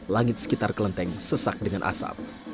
langit sekitar kelenteng sesak dengan asap